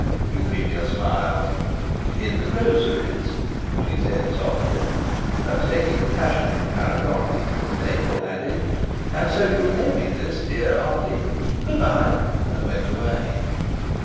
Euphemia smiled. "In the Groceries?" she said softly; and, taking "Passion and Paregoric" from the table, added: "And so you'll lend me this, dear Auntie? Good bye!" and went away.